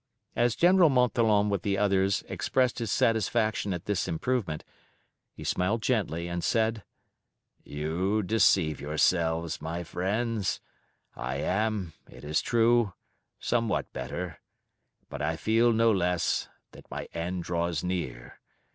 As General Montholon with the others expressed his satisfaction at this improvement he smiled gently, and said, "You deceive yourselves, my friends: I am, it is true, somewhat better, but I feel no less that my end draws near.